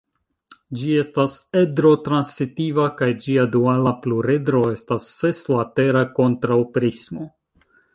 Ĝi estas edro-transitiva kaj ĝia duala pluredro estas seslatera kontraŭprismo.